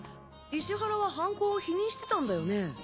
石原は犯行を否認してたんだよね？